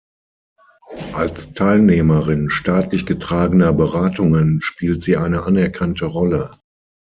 Als Teilnehmerin staatlich getragener Beratungen spielt sie eine anerkannte Rolle.